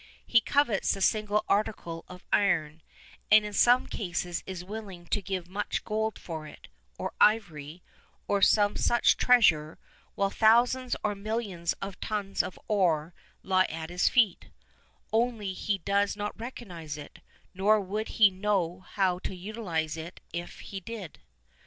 He covets the single article of iron, and in some cases is willing to give much gold for it, or ivory, or some such treasure, while thousands or millions of tons of iron lie at his feet, only he does not recognise it, nor would he know how to utilise it if he did.